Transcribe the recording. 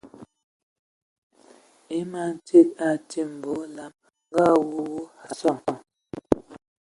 E man tsid a atimbi a olam nga awū a nsom.